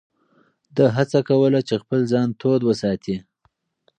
ده هڅه کوله چې خپل ځان تود وساتي.